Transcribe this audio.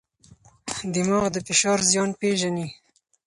دماغ د فشار زیان پېژني.